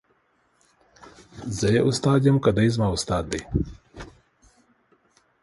زه یې استاد یم که دای زما استاد دی.